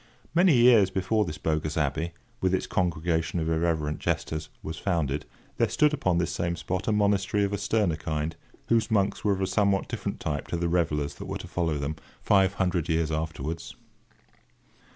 Many years before this bogus abbey, with its congregation of irreverent jesters, was founded, there stood upon this same spot a monastery of a sterner kind, whose monks were of a somewhat different type to the revellers that were to follow them, five hundred years afterwards.